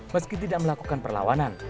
meski tidak melakukan perlawanan